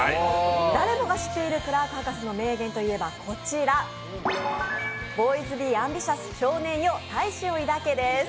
誰もが知っているクラーク博士の名言と言えば、こちら「Ｂｏｙ’ｓｂｅａｍｂｉｔｉｏｕｓ少年よ大志を抱け」です。